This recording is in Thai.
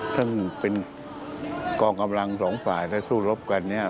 ท่านเป็นกองกำลังสองฝ่ายและสู้รบกันเนี่ย